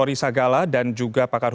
terima kasih bang rory dan juga pak suparji